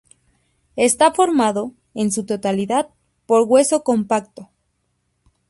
Está formado, en su totalidad, por hueso compacto.